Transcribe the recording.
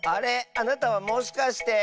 あなたはもしかして。